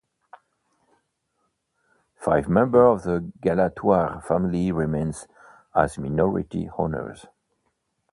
Five members of the Galatoire family remain as minority owners.